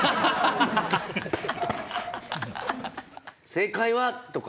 「正解は！？」とか。